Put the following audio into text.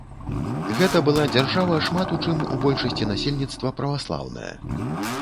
Гэта была дзяржава шмат у чым, у большасці насельніцтва праваслаўная.